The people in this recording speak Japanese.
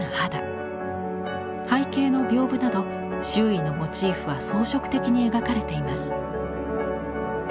背景の屏風など周囲のモチーフは装飾的に描かれています。